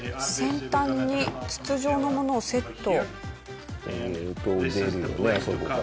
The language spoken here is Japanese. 先端に筒状のものをセット。